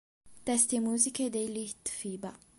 Testi e musiche dei Litfiba.